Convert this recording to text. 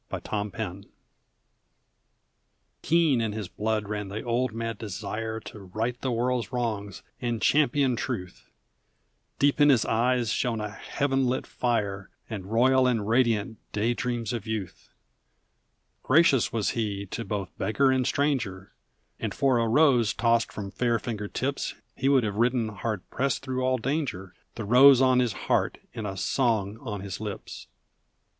THE KNIGHT ERRANT Keen in his blood ran the old mad desire To right the world's wrongs and champion truth; Deep in his eyes shone a heaven lit fire, And royal and radiant day dreams of youth! Gracious was he to both beggar and stranger, And for a rose tossed from fair finger tips He would have ridden hard pressed through all danger, The rose on his heart and a song on his lips!